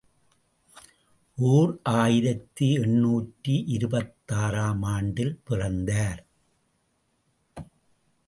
ஓர் ஆயிரத்து எண்ணூற்று இருபத்தாறு ஆம் ஆண்டில் பிறந்தார்.